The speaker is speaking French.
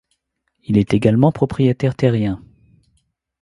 Il est également propriétaire terrien.